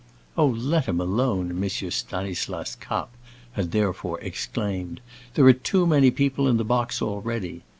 "Oh, let him alone!" M. Stanislas Kapp had hereupon exclaimed. "There are too many people in the box already."